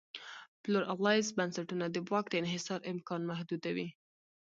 پلورالایز بنسټونه د واک دانحصار امکان محدودوي.